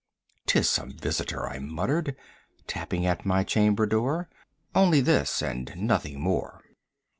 "'Tis some visitor," I muttered, "tapping at my chamber door: 5 Only this and nothing more."